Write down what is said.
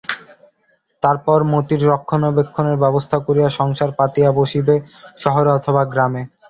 তারপর মতির রক্ষণাবেক্ষণের ব্যবস্থা করিয়া সংসার পাতিয়া বসিবে শহরে অথবা গ্রামে।